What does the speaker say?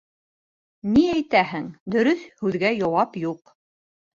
Ни әйтәһең, дөрөҫ һүҙгә яуап юҡ.